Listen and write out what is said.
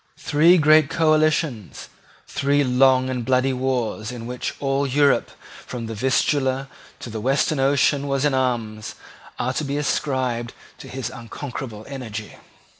Three great coalitions, three long and bloody wars in which all Europe from the Vistula to the Western Ocean was in arms, are to be ascribed to his unconquerable energy.